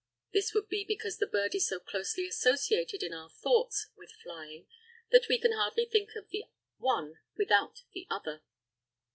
This would be because the bird is so closely associated in our thoughts with flying that we can hardly think of the one without the other.